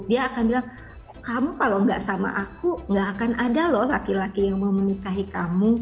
dia akan bilang kamu kalau nggak sama aku gak akan ada loh laki laki yang mau menikahi kamu